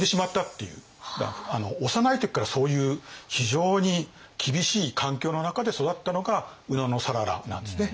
幼い時からそういう非常に厳しい環境の中で育ったのが野讃良なんですね。